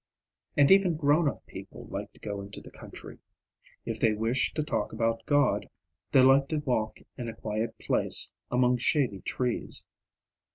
And even grown up people like to go into the country. If they wish to talk about God, they like to walk in a quiet place among shady trees.